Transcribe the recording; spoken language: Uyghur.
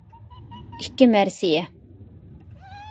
ئىككى مەرسىيە